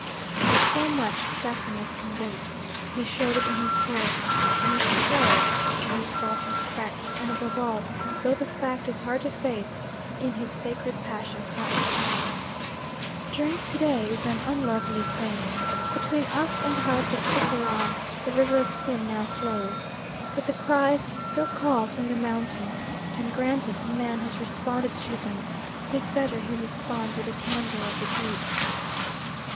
Of so much Stephen was convinced: he showed it in his work, in his play, in his self respect, and above all though the fact is hard to face in his sacred passion for alcohol. Drink, today, is an unlovely thing. Between us and the heights of Cithaeron the river of sin now flows. Yet the cries still call from the mountain, and granted a man has responded to them, it is better he respond with the candour of the Greek.